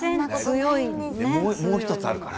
もう１つあるから。